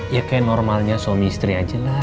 ya kayak normalnya suami istri aja lah